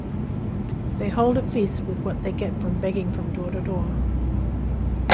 They hold a feast with what they get from begging from door to door.